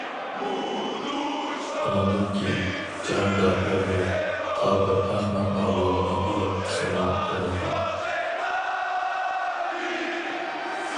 ئۇنىڭدىن كېيىن« جاھاندا ئوغرى يوق» تا بىر ئەخمەقنىڭ رولىنى ئېلىپ تېخىمۇ تونۇلغان.